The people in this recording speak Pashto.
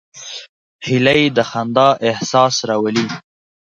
هیلۍ د خندا احساس راولي